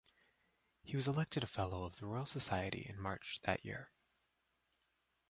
He was elected a Fellow of the Royal Society in March that year.